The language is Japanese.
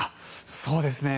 そうですね。